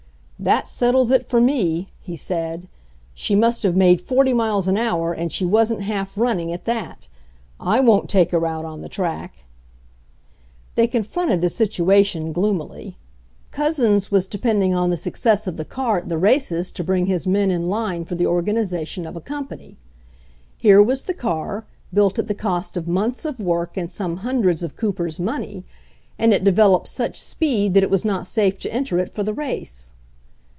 "That settles it for me," he said. "She must have made forty miles an hour, and she wasn't half running, at that. I won't take her out on the track." They confronted the situation gloomily. Couzens was depending on the success of the car 116 CLINGING TO A PRINCIPLE 117 at the races to bring his men in line for the or ganization of a company ; here was the car, built at the cost of months of work and some hundreds of Cooper's money, and it developed such speed that it was not safe to enter it for the race.